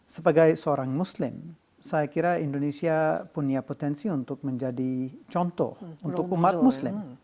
sebagai seorang muslim saya kira indonesia punya potensi untuk menjadi contoh untuk umat muslim